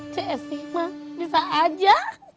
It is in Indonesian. ce si mak bisa aja